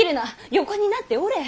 横になっておれ！